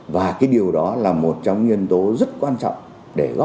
và cái điều đó là một trong những nhân tố rất quan trọng